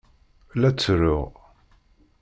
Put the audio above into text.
La ttruɣ.